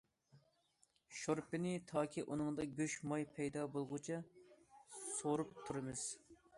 شورپىنى تاكى ئۇنىڭدا گۆش ماي پەيدا بولغۇچە سورۇپ تۇرىمىز.